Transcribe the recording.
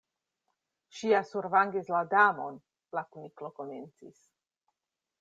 "Ŝi ja survangis la Damon" la Kuniklo komencis.